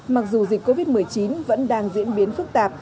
mặc dù dịch covid một mươi chín vẫn đang diễn biến phức tạp